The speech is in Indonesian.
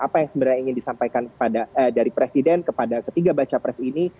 apa yang sebenarnya ingin disampaikan dari presiden kepada ketiga baca pres ini